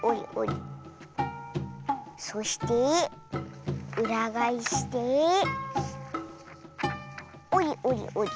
そしてうらがえしておりおりおり。